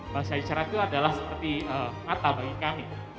bahasa isyarat itu adalah seperti mata bagi kami